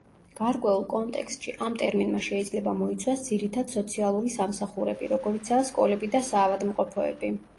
გარკვეულ კონტექსტში, ამ ტერმინმა შეიძლება მოიცვას ძირითად სოციალური სამსახურები, როგორიცაა სკოლები და საავადმყოფოები.